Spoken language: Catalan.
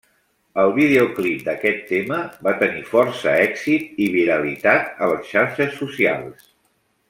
El videoclip d'aquest tema va tenir força èxit i viralitat a les xarxes socials.